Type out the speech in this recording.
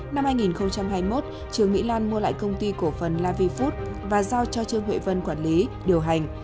năm hai nghìn hai mươi một trương mỹ lan mua lại công ty cổ phần la vy food và giao cho trương huệ vân quản lý điều hành